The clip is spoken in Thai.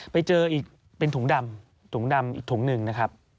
ไปเจออีกเป็นถุงดำถุงดำอีกถุงหนึ่งนะครับ